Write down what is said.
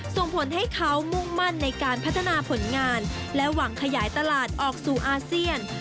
ส่งผลให้เขามุ่งมั่นในการพัฒนาผลงานและหวังขยายตลาดออกสู่อาเซียน